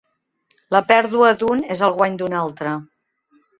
La pèrdua d'un és el guany d'un altre.